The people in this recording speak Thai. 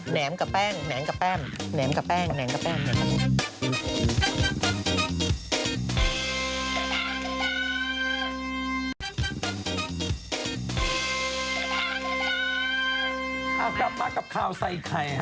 แหนมกับแป้งแหนมกับแป้ม